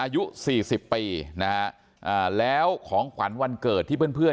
อายุสี่สิบปีนะฮะแล้วของขวัญวันเกิดที่เพื่อนเพื่อน